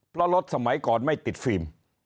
เพราะรถสมัยก่อนไม่ติดฟิล์ม